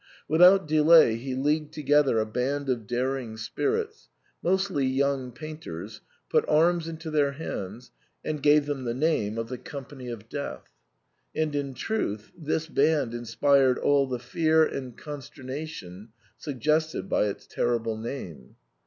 6i lay he leagued together a band of daring spirits, mostly young painters, put arms into their hands, and gave them the name of the "Company of Death." And in truth this band inspired all the fear and consternation suggested by its terrible name.